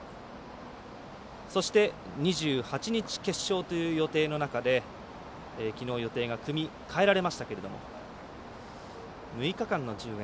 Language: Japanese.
そして２８日決勝という予定の中できのう、予定が組み替えられましたけど６日間の順延。